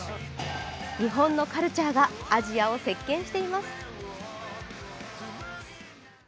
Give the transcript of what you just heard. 日本のカルチャーがアジアを席巻しています。